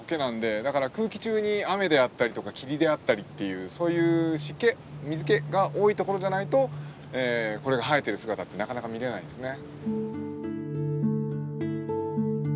だから空気中に雨であったりとか霧であったりっていうそういう湿気水気が多いところじゃないとこれが生えてる姿ってなかなか見れないんですね。